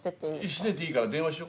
してていいから電話しよ。